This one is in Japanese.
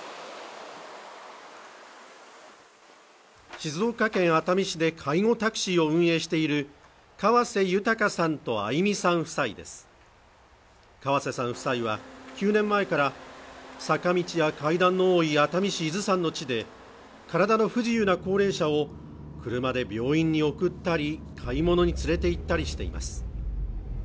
静岡県熱海市で介護タクシーを運営している河瀬豊さんと愛美さん夫妻です河瀬さん夫妻は９年前から坂道や階段の多い熱海市伊豆山の地で体の不自由な高齢者を車で病院に送ったり買い物に連れて行ったりしています